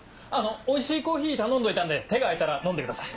おいしいコーヒー頼んどいたんで手が空いたら飲んでください。